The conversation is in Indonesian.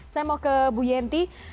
saya mau ke bu yenti